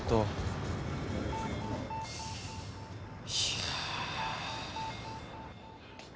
いや。